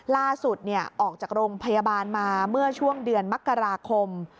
ล่าสุดออกจากโรงพยาบาลมาเมื่อช่วงเดือนมกราคม